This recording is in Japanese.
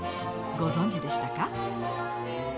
ご存じでしたか？